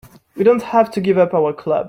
We don't have to give up our club.